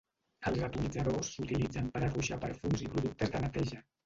Els atomitzadors s'utilitzen per a ruixar perfums i productes de neteja.